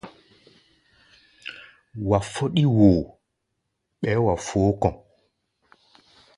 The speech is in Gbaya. Wa fɔ́ɗí woo, ɓɛɛ́ wa fó kɔ̧.